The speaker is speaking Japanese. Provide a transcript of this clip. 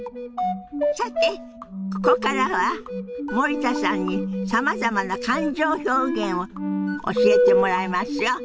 さてここからは森田さんにさまざまな感情表現を教えてもらいますよ。